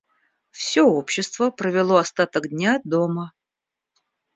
Все общество провело остаток дня дома.